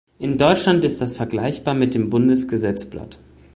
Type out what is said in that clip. In Deutschland ist das vergleichbar mit dem Bundesgesetzblatt.